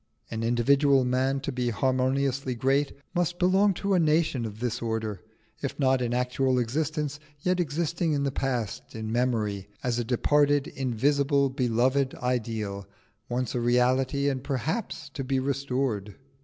An individual man, to be harmoniously great, must belong to a nation of this order, if not in actual existence yet existing in the past, in memory, as a departed, invisible, beloved ideal, once a reality, and perhaps to be restored.